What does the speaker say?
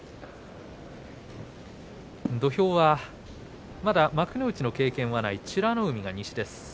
土俵はまだ幕内の経験はない美ノ海が西です。